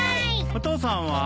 お父さんは？